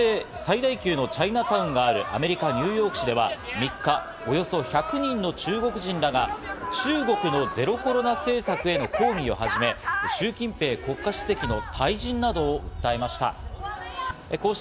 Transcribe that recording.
全米最大級のチャイナタウンがあるアメリカ・ニューヨーク市では３日、およそ１００人の中国人らが中国のゼロコロナ政策への抗議をはじめ、シュウ・キンペイ国家主席の退陣などを訴えました。